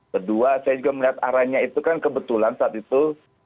kedua saya juga melihat arahnya itu kan kebetulan saat itu